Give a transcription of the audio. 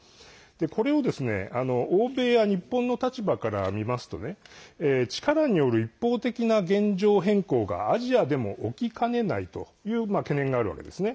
これを欧米や日本の立場から見ますと力による一方的な現状変更がアジアでも起きかねないという懸念があるわけですね。